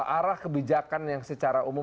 arah kebijakan yang secara umum